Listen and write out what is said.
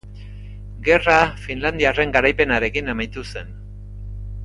Gerra, finlandiarren garaipenarekin amaitu zen.